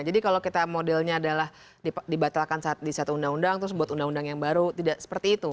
jadi kalau kita modelnya adalah dibatalkan di satu undang undang terus buat undang undang yang baru tidak seperti itu